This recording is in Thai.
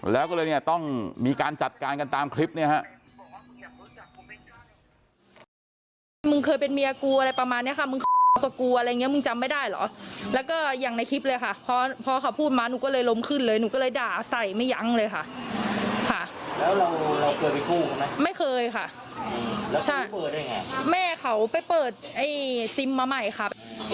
แล้วก็เลยต้องมีการจัดการกันตามคลิปนี้ครับ